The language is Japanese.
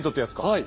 はい。